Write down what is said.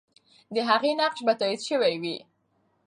د هغې نقش به تایید سوی وي.